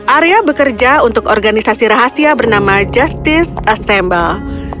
arya bekerja untuk organisasi rahasia bernama justice assemble